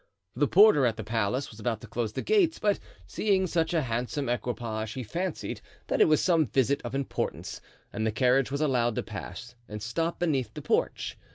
The porter at the palace was about to close the gates, but seeing such a handsome equipage he fancied that it was some visit of importance and the carriage was allowed to pass and to stop beneath the porch.